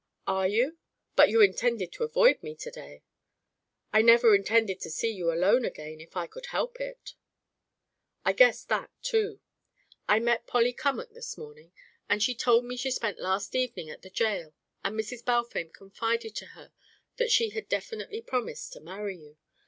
"Are you? But you intended to avoid me to day!" "I never intended to see you alone again if I could help it." "I guessed that too. I met Polly Cummack this morning, and she told me she spent last evening at the jail and Mrs. Balfame confided to her that she had just definitely promised to marry you